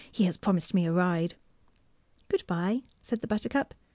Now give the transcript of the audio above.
He has promised me a ride.'' '' Good bye," said the buttercup.